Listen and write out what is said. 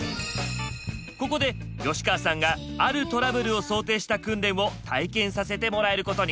ここで吉川さんがあるトラブルを想定した訓練を体験させてもらえることに。